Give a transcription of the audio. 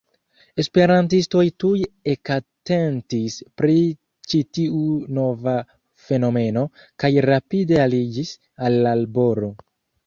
Esperantistoj tuj ekatentis pri ĉi tiu nova fenomeno, kaj rapide aliĝis al la laboro.